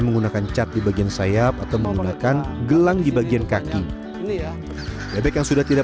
menggunakan cat di bagian sayap atau menggunakan gelang di bagian kaki ini ya bebek yang sudah tidak